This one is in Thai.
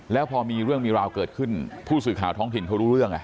แล้วพอมีเรื่องมีราวเกิดขึ้นผู้สื่อข่าวท้องถิ่นเขารู้เรื่อง